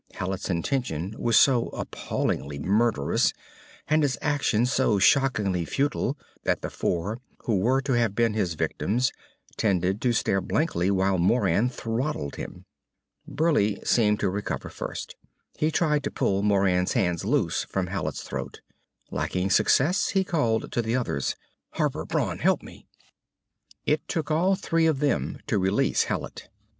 Hallet's intention was so appallingly murderous and his action so shockingly futile that the four who were to have been his victims tended to stare blankly while Moran throttled him. Burleigh seemed to recover first. He tried to pull Moran's hands loose from Hallet's throat. Lacking success he called to the others. "Harper! Brawn! Help me!" It took all three of them to release Hallet.